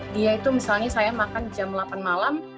dia itu misalnya saya makan jam delapan malam